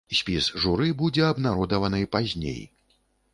Спіс журы будзе абнародаваны пазней.